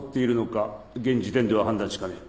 現時点では判断しかねる。